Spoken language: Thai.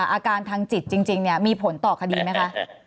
อาการทางจิตจริงมีผลต่อคดีไหมคะ